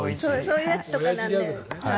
そういうやつなんで。